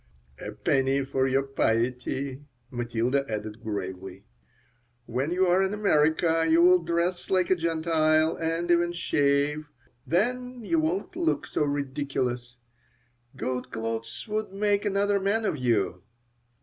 "A penny for your piety," Matilda added, gravely. "When you are in America you'll dress like a Gentile and even shave. Then you won't look so ridiculous. Good clothes would make another man of you."